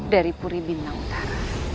dari puri bintang utara